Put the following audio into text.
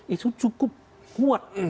itu cukup kuat